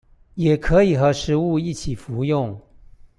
也可以和食物一起服用